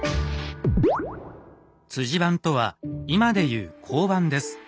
「番」とは今で言う交番です。